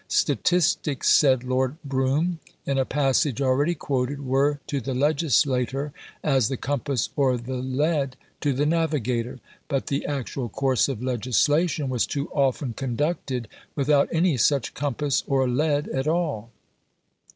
Statistics, said Lord Brougham, in a passage already quoted, were to the legislator as the compass or the lead to the navigator; but the actual course of legislation was too often conducted without any such compass or lead at all.